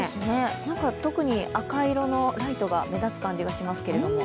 特に赤色のライトが目立つ感じがしますけど。